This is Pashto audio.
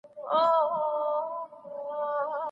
ای ړوند سړیه، د ږیري سره ډېري مڼې وخوره.